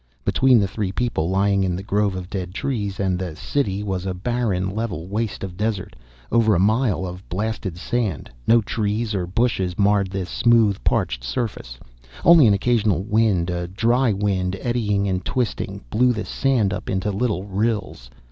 Between the three people lying in the grove of dead trees and the City was a barren, level waste of desert, over a mile of blasted sand. No trees or bushes marred the smooth, parched surface. Only an occasional wind, a dry wind eddying and twisting, blew the sand up into little rills.